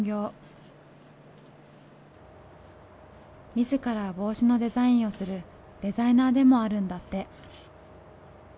自ら帽子のデザインをするデザイナーでもあるんだって。